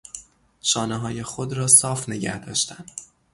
شانههای خود را صاف نگهداشتن